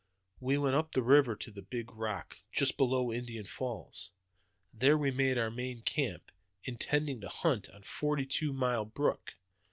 "We went up the river to the big rock, just below Indian Falls. There we made our main camp, intending to hunt on Forty two Mile Brook.